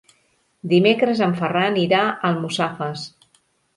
Dimecres en Ferran irà a Almussafes.